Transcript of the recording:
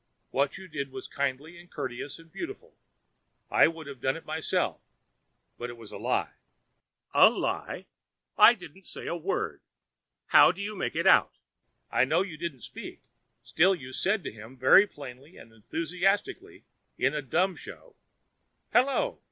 What you did was kindly and courteous and beautiful; I would have done it myself; but it was a lie.' 'A lie? I didn't say a word. How do you make it out?' 'I know you didn't speak, still you said to him very plainly and enthusiastically in dumb show, "Hello!